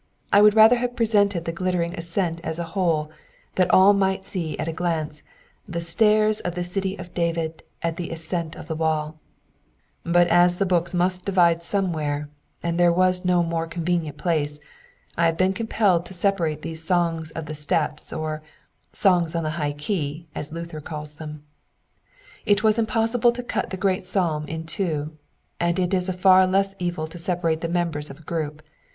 I would rather have presented the glittering ascent as a whole, that all might see at a glance the stairs of the City of David at the ascent 'of the wall ;" but as the books must divide somewhere, and there was no more con venient place, I have been compelled to separate these Songs of the Steps, or " Songs on the high key," as Luther calls them. It was impossible to cut the. great psalm in two, and it is a far less evil to separate the members of a group.